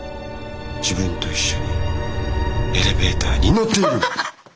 自分と一緒にエレベーターに乗っている。